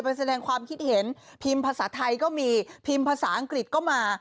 เป็นแสดงความคิดเห็นพิมพศไทยก็มีพิมพศอังกฤษก็มา